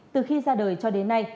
từ khi ra đời cho đến nay